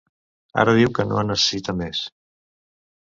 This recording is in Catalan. Ara diu que no en necessita més.